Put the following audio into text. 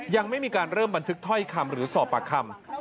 ยังไม่มีการเริ่มบันทึกถ้อยคำหรือสอบปากคำ